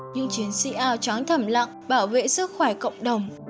nhưng chiến sĩ ao trắng thẩm lặng bảo vệ sức khỏe cộng đồng